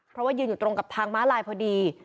เพราะว่ายืนอยู่ตรงกับทางม้าลายพอดี